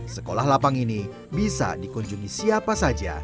sekolah lapang ini bisa dikunjungi siapa saja